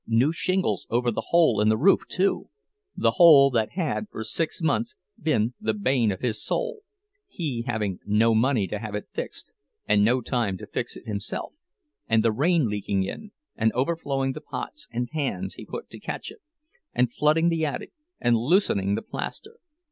New shingles over the hole in the roof, too, the hole that had for six months been the bane of his soul—he having no money to have it fixed and no time to fix it himself, and the rain leaking in, and overflowing the pots and pans he put to catch it, and flooding the attic and loosening the plaster.